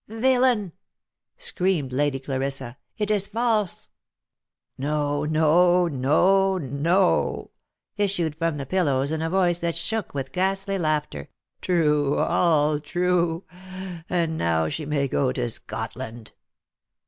" Villain !" screamed Lady Clarissa, " it is false !"" No, no, no, no !" issued from the pillows, in a voice that shook with ghastly laughter. "True, all true; and now she may go to Scotland."